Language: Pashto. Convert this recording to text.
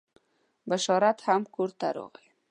بشارت هم کور ته راغی.